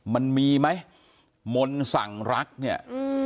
มันมีไหมมนต์สั่งรักเนี่ยอืม